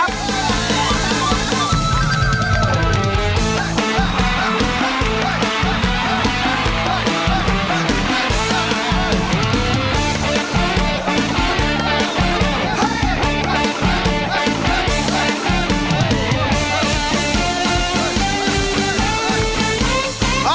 อบตมหาสนุก